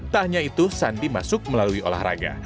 tahnya itu sandi masuk melalui olahraga